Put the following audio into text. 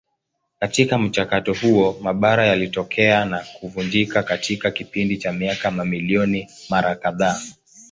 Katika mchakato huo mabara yalitokea na kuvunjika katika kipindi cha miaka mamilioni mara kadhaa.